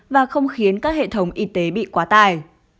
và không khiến các hệ thống y tế bị quá tài